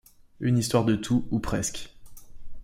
Une histoire de tout, ou presque...